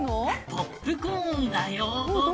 ポップコーンだよ。